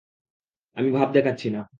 আমি ভাব দেখাচ্ছি না।